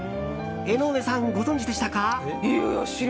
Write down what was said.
江上さん、ご存じでしたか？